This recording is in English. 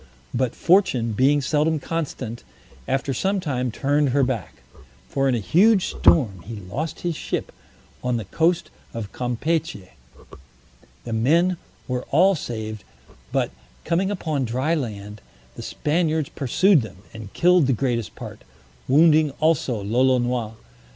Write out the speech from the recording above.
But Fortune, being seldom constant, after some time turned her back; for in a huge storm he lost his ship on the coast of Campechy. The men were all saved, but coming upon dry land, the Spaniards pursued them, and killed the greatest part, wounding also Lolonois.